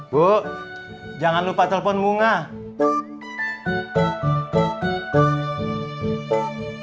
bu jangan lupa telepon bunga